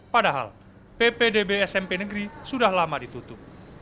padahal ppdb smp negeri sudah lama ditutup